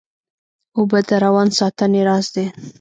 اوبه د روان ساتنې راز دي